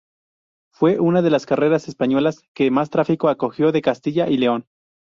Fue una de las carreteras españolas que más tráfico acogió de Castilla y León.